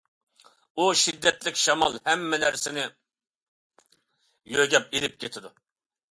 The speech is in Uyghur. ئۇ شىددەتلىك شامال ھەممە نەرسىنى يۆمەپ ئېلىپ كېتىدۇ.